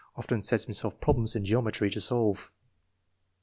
Often sets himself problems in geometry to solve.